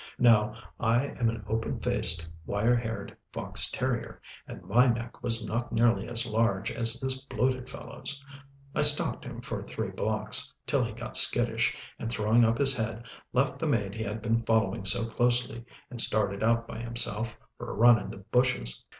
Now, I am an open faced, wire haired fox terrier, and my neck was not nearly as large as this bloated fellow's. I stalked him for three blocks, till he got skittish, and throwing up his head, left the maid he had been following so closely, and started out by himself for a run in the bushes.